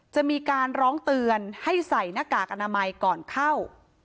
จะมีการร้องเตือนให้ใส่หน้ากากอนามัยก่อนเข้า